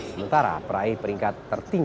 sementara peraih peringkat tertentu